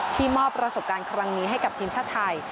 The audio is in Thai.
มอบประสบการณ์ครั้งนี้ให้กับทีมชาติไทย